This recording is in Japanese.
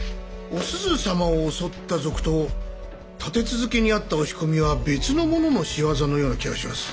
お鈴様を襲った賊と立て続けにあった押し込みは別の者の仕業のような気がします。